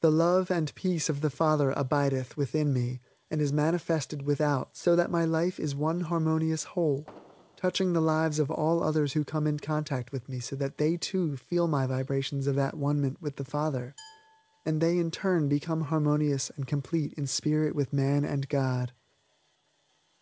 The Love and Peace of the Father abideth within me and is manifested without so that my life is one harmonious whole touching the lives of all others who come in contact with me so that they, too, feel my vibrations of at one ment with the Father and they in turn become harmonious and complete in Spirit with man and God.